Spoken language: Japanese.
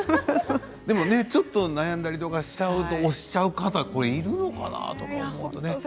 でもちょっと悩んだりしていると押しちゃう方がいるのかなと思ったりね。